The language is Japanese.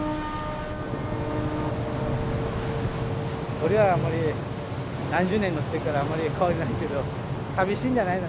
俺はあんまり何十年乗ってっからあまり変わりないけど寂しいんじゃないの？